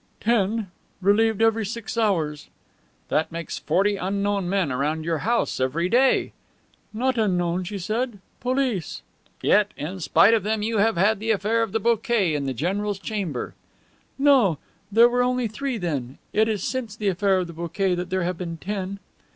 "Ten, relieved every six hours." "That makes forty unknown men around your house each day." "Not unknown," she replied. "Police." "Yet, in spite of them, you have had the affair of the bouquet in the general's chamber." "No, there were only three then. It is since the affair of the bouquet that there have been ten."